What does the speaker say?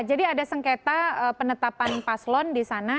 jadi ada sengketa penetapan paslon disana